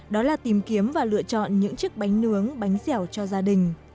đó là tìm kiếm và lựa chọn những chiếc bánh nướng bánh dẻo cho gia đình